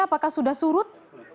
apakah sudah surut